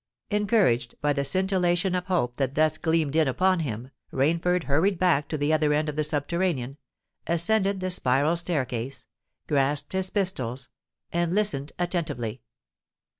Encouraged by the scintillation of hope that thus gleamed in upon him, Rainford hurried back to the other end of the subterranean—ascended the spiral staircase—grasped his pistols—and listened attentively.